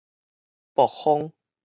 爆風